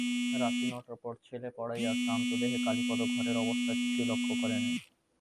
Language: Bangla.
রাত্রি নটার পর ছেলে পড়াইয়া শ্রান্তদেহে কালীপদ ঘরের অবস্থা কিছুই লক্ষ করে নাই।